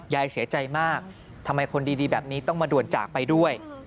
ยายเสียใจมากทำไมคนดีแบบนี้ต้องมาด่วนจากไปด้วย